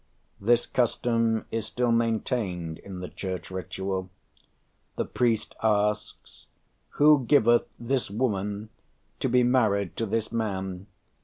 '" This custom is still maintained in the Church ritual; the priest asks: "Who giveth this woman to be married to this man?"